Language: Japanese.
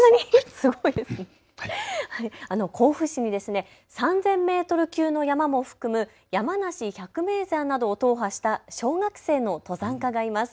甲府市に３０００メートル級の山も含む山梨百名山などを踏破した小学生の登山家がいます。